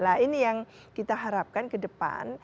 nah ini yang kita harapkan kedepan